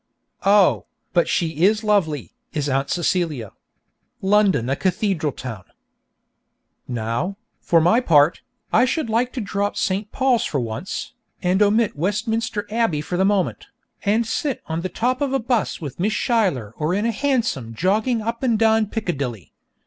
Oh, but she is lovely, is Aunt Celia! London a cathedral town! Now, for my part, I should like to drop St. Paul's for once, and omit Westminster Abbey for the moment, and sit on the top of a bus with Miss Schuyler or in a hansom jogging up and down Piccadilly.